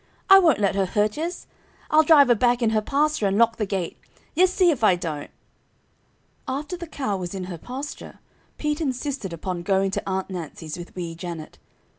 "I won't let her hurt yez. I'll drive her back in her pasture and lock the gate. Yez see if I don't!" After the cow was in her pasture Pete insisted upon going to Aunt Nancy's with Wee Janet.